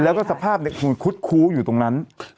แล้วก็สภาพคือคุดคู้อยู่ตรงนั้น